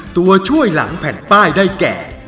ตัวช่วยหลังแผ่นป้ายได้แก่